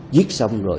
giết xong rồi